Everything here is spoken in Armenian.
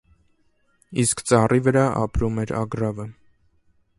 Իսկ ծառի վրա ապրում էր ագռավը։